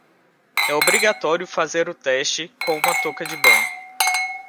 É obrigatório fazer o teste com uma touca de banho.